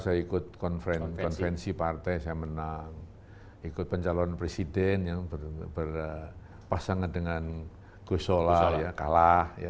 saya ikut konfrensi partai saya menang ikut pencalon presiden yang berpasangan dengan gusola kalah